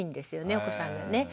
お子さんがね。